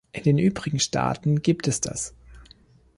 In den übrigen Staaten gibt es das.